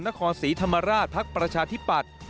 นครศรีธรรมราชภักดิ์ประชาธิปัตย์